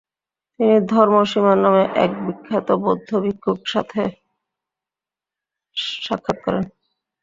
তিনি ধর্মসীমা নামে এক বিখ্যাত বৌদ্ধ ভিক্ষুর সাথে সাক্ষাৎ করেন।